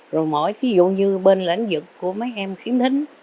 rồi mỗi ví dụ như bên lãnh vực của mấy em khiếm thính